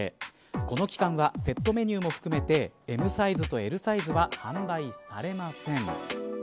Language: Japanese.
この期間はセットメニューも含めてＭサイズとＬサイズは販売されません。